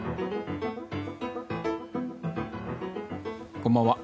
こんばんは。